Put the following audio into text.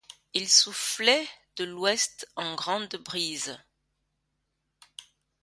Il soufflait de l’ouest en grande brise.